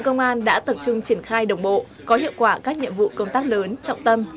quý ba năm đã tập trung triển khai đồng bộ có hiệu quả các nhiệm vụ công tác lớn trọng tâm